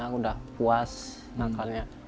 aku udah puas nakalnya